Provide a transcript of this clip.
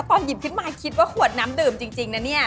ตอนหยิบขึ้นมาคิดว่าขวดน้ำดื่มจริงนะเนี่ย